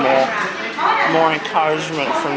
oleh pemerintah dan masyarakat